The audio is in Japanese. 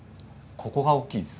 ここがおっきいです。